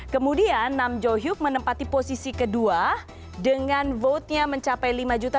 kemudian nam jo hyuk menempati posisi kedua dengan vote nya mencapai lima tujuh ratus delapan puluh tujuh enam ratus enam